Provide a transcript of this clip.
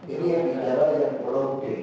ini yang bicara yang pulau g